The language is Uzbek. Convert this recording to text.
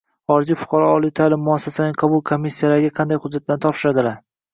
Xorijiy fuqarolar oliy ta’lim muassasalarining qabul komissiyalariga qanday hujjatlar topshiradilar?